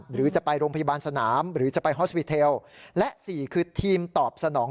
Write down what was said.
หรือจะไปโรงพยาบาลสนามหรือจะไปฮอสวิเทลและสี่คือทีมตอบสนอง